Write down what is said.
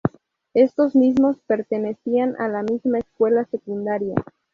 Estos mismos pertenecían a la misma escuela secundaria.